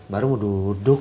baru mau duduk